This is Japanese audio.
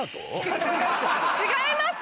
違います！